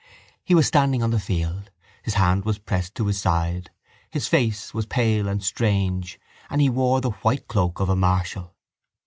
He was standing on the field; his hand was pressed to his side; his face was pale and strange and he wore the white cloak of a marshal.